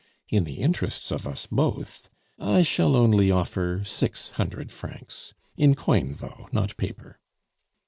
In the interests of us both, I shall only offer six hundred francs, in coin though, not paper."